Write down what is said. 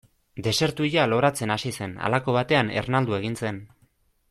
Desertu hila loratzen hasi zen, halako batean ernaldu egin zen.